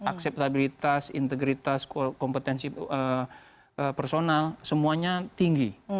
akseptabilitas integritas kompetensi personal semuanya tinggi